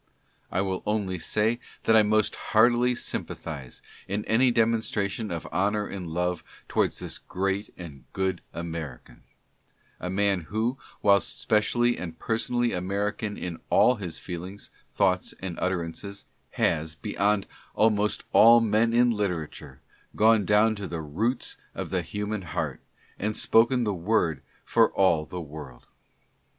I will only say that I most heartily sympathize in any demon stration, of honor and love towards this great and good American — a man who, whilst specially and personally American in all his feelings, thoughts and utterances, has, beyond almost all men in literature, gone down to the roots of the human heart, and spoken the word for all the world.